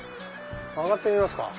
曲がってみますか。